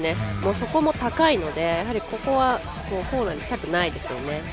そこも高いのでここはゴールにしたくないですよね。